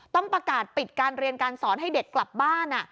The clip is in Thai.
ต้องประกาศปิดการเรียนการสอนให้เด็กกลับบ้าน